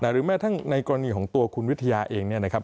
หรือแม้ทั้งในกรณีของตัวคุณวิทยาเองเนี่ยนะครับ